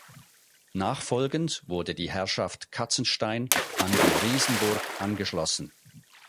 Nachfolgend wurde die Herrschaft Katzenstein an die Riesenburg angeschlossen.